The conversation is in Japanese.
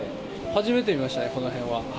初めて見ましたね、この辺では。